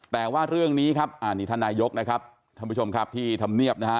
แต่ว่าเรื่องนี้ครับอันนี้ท่านนายกนะครับท่านผู้ชมครับที่ธรรมเนียบนะฮะ